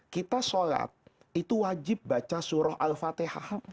kita sholat itu wajib baca surah al fatihah